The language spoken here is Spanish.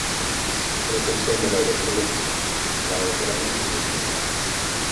Con excepción de la obertura, la ópera no ha sido estrenada.